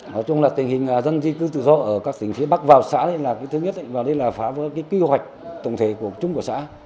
nói chung là tình hình dân di cư tự do ở các tỉnh phía bắc vào xã này là thứ nhất và đây là phá vỡ cái kế hoạch tổng thể của chúng của xã